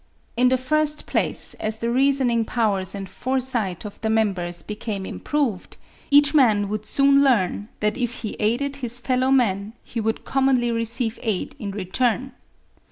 In the first place, as the reasoning powers and foresight of the members became improved, each man would soon learn that if he aided his fellow men, he would commonly receive aid in return.